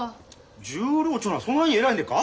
十両ちゅうのはそんなに偉いんでっか？